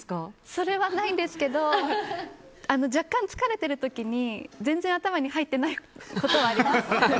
それはないんですけど若干疲れてる時に全然、頭に入ってないことはありますね。